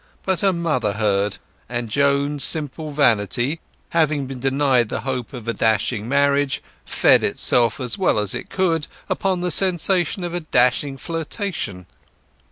But her mother heard, and Joan's simple vanity, having been denied the hope of a dashing marriage, fed itself as well as it could upon the sensation of a dashing flirtation.